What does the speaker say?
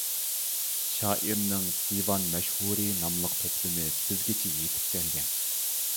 شائىرنىڭ «دىۋان مەشھۇرى» ناملىق توپلىمى بىزگىچە يېتىپ كەلگەن.